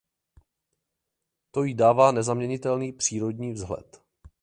To jí dává nezaměnitelný "přírodní" vzhled.